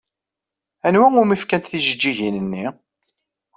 Anwa umi fkant tijeǧǧigin-nni?